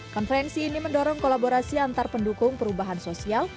konferensi ini mendorong kolaborasi antar pendukung perubahan sosial